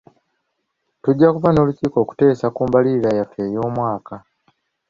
Tujja kuba n'olukiiko okuteesa ku mbalirira yaffe ey'omwaka.